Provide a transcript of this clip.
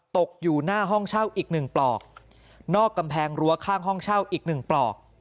ตกอยู่หน้าห้องเช่าอีกหนึ่งปลอกนอกกำแพงรั้วข้างห้องเช่าอีกหนึ่งปลอก